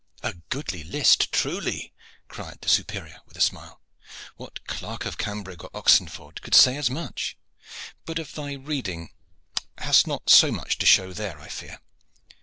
"A goodly list, truly," cried the superior with a smile. "What clerk of Cambrig or of Oxenford could say as much? But of thy reading hast not so much to show there, I fear?"